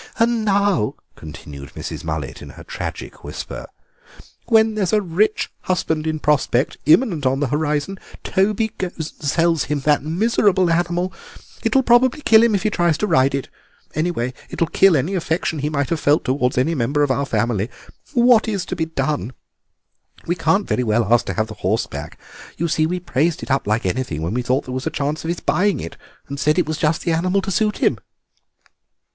"And now," continued Mrs. Mullet, in her tragic whisper, "when there's a rich husband in prospect imminent on the horizon Toby goes and sells him that miserable animal. It will probably kill him if he tries to ride it; anyway it will kill any affection he might have felt towards any member of our family. What is to be done? We can't very well ask to have the horse back; you see, we praised it up like anything when we thought there was a chance of his buying it, and said it was just the animal to suit him."